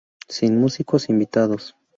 Sin músicos invitados.